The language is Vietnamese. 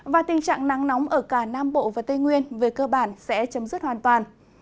và tình trạng nắng nóng ở cả nam bộ và tây nguyên về cơ bản sẽ chấm dứt hoàn toàn